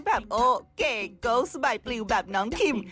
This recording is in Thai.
แบบโอเก่งเก่งสบายปลิวแบบน้องคิม